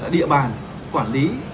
địa bàn quản lý